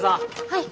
はい。